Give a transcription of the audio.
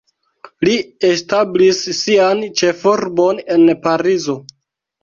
Li establis sian ĉefurbon en Parizo.